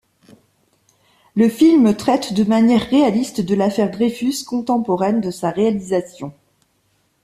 Le film traite de manière réaliste de l'affaire Dreyfus, contemporaine de sa réalisation.